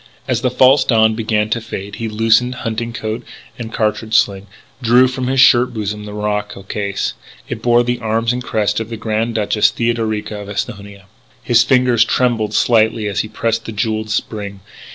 As the false dawn began to fade, he loosened hunting coat and cartridge sling, drew from his shirt bosom the morocco case. It bore the arms and crest of the Grand Duchess Theodorica of Esthonia. His fingers trembled slightly as he pressed the jewelled spring.